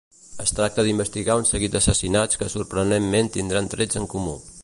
Es tracta d'investigar un seguit d'assassinats que sorprenentment tindran trets en comú.